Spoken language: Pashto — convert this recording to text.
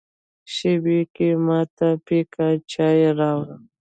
شېبه کې یې ما ته پیکه چای راوړ.